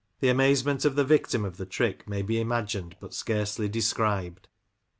amazement of the victim of the trick may be imagined but scarcely described.